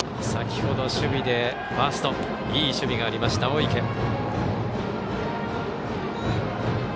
先ほど守備で、ファーストいい守備がありました、大池。